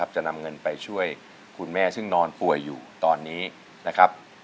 จะนำเงินไปช่วยคุณแม่ซึ่งนอนป่วยอยู่ตอนนี้นะครับ